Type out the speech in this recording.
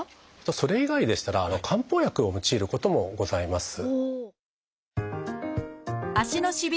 それ以外でしたら漢方薬を用いることもございます。